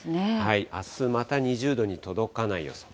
あすまた２０度に届かない予想。